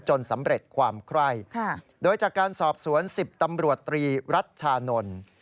สำเร็จความไคร่โดยจากการสอบสวน๑๐ตำรวจตรีรัชชานนท์